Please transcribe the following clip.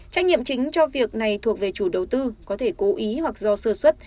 trách nhiệm chính cho việc này thuộc về chủ đầu tư có thể cố ý hoặc do sơ xuất